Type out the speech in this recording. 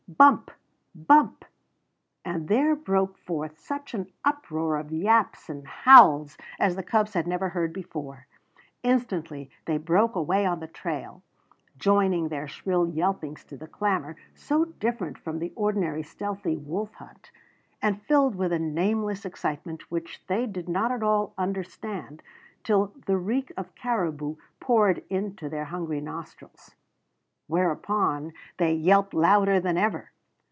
bump! bump!_ and there broke forth such an uproar of yaps and howls as the cubs had never heard before. Instantly they broke away on the trail, joining their shrill yelpings to the clamor, so different from the ordinary stealthy wolf hunt, and filled with a nameless excitement which they did not at all understand till the reek of caribou poured into their hungry nostrils; whereupon they yelped louder than ever.